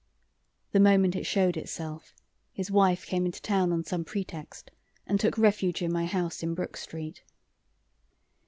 The moment it showed itself his wife came into town on some pretext, and took refuge in my house in Brook Street.